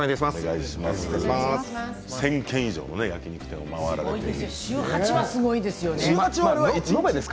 １０００軒以上の焼き肉店を回られています。